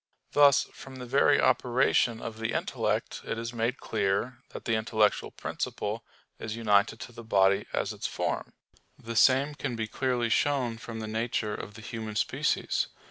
Thus from the very operation of the intellect it is made clear that the intellectual principle is united to the body as its form. The same can be clearly shown from the nature of the human species.